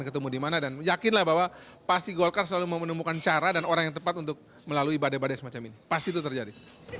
keputusan tersebut patut dihargai